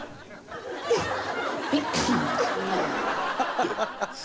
ハハハハ！